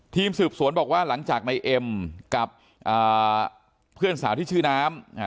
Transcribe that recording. ทีมสืบสวนบอกว่าหลังจากในเอ็มกับเพื่อนสาวที่ชื่อน้ำ